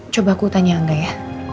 coba aku tanya angga ya